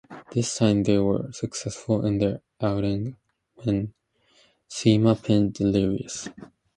This time, they were successful in their outing, when Cima pinned Delirious.